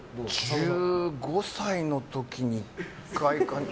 １５歳の時に１回か。